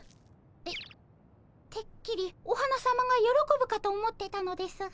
えってっきりお花さまがよろこぶかと思ってたのですが。